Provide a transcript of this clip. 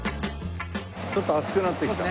ちょっと暑くなってきた。